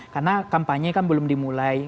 karena kampanye kan belum dimulai